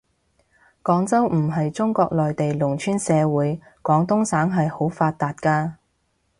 廣州唔係中國內地農村社會，廣東省係好發達嘅